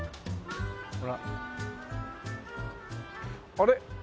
あれ？